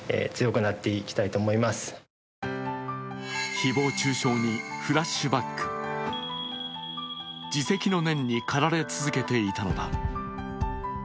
誹謗中傷にフラッシュバック、自責の念にかられ続けていたのだ。